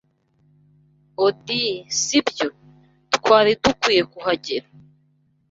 Odd, si byo? Twari dukwiye kuhagera.